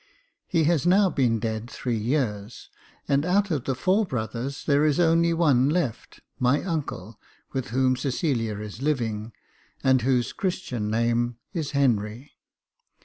He has now been dead three years, and out of the four brothers there is only one left, my uncle, with whom Cecilia is living, and whose Christian name is Henry.